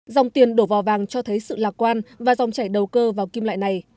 dòng tiền đổ vò vàng cho thấy sự lạc quan và dòng chảy đầu cơ vào kim loại này